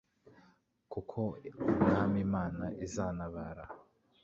Kuko Umwami Imana izantabara